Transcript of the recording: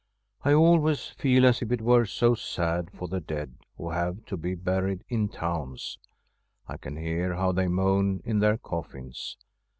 I always feel as if it were so sad for the dead who have to be buried in towns. I can hear how they moan in their coffins.